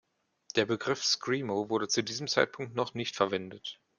Der Begriff „Screamo“ wurde zu diesem Zeitpunkt noch nicht verwendet.